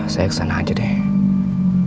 saya kesana aja deh